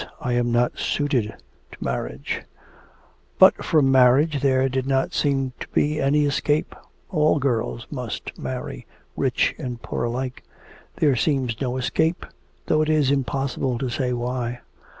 I am not suited to marriage; but from marriage there did not seem to be any escape. All girls must marry, rich and poor alike; there seems no escape, though it is impossible to say why.